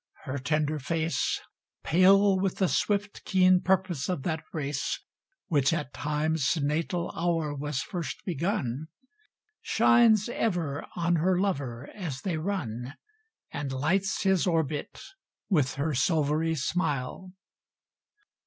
Her tender face, Pale with the swift, keen purpose of that race Which at Time's natal hour was first begun, Shines ever on her lover as they run And lights his orbit with her silvery smile.